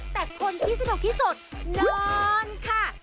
แต่คนที่สนุกที่สุดนอนค่ะ